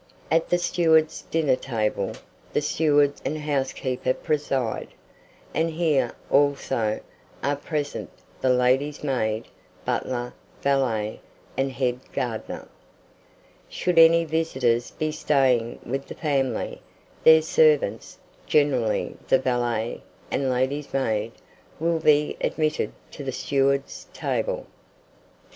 At the steward's dinner table, the steward and housekeeper preside; and here, also, are present the lady's maid, butler, valet, and head gardener. Should any visitors be staying with the family, their servants, generally the valet and lady's maid, will be admitted to the steward's table. 59.